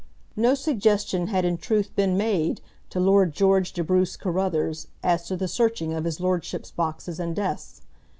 No suggestion had in truth been made to Lord George de Bruce Carruthers as to the searching of his lordship's boxes and desks.